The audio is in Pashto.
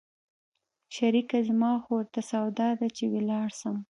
شريکه زما خو ورته سودا ده چې ولاړ سم.